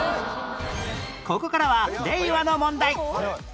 ここからは令和の問題